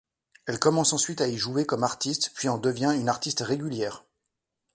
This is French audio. Elle commence ensuite à y jouer comme artiste, puis en devient une artiste réguliere.